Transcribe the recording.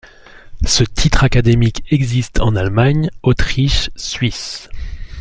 Ce titre académique existe en Allemagne, Autriche, Suisse.